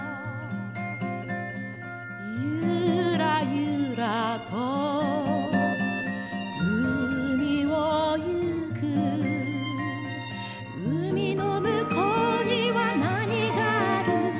「ゆーらゆーらと海をゆく」「海の向こうには何がある？」